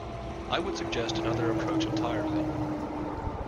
I would suggest another approach entirely.